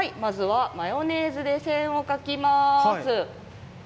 マヨネーズで線を描きます。